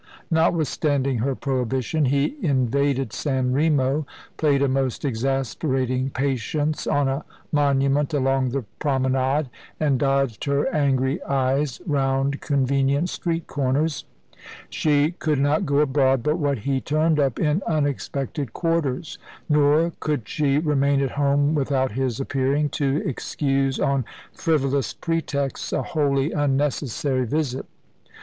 Notwithstanding her prohibition, he invaded San Remo, played a most exasperating Patience on a monument along the promenade, and dodged her angry eyes round convenient street corners. She could not go abroad but what he turned up in unexpected quarters, nor could she remain at home without his appearing, to excuse, on frivolous pretexts, a wholly unnecessary visit.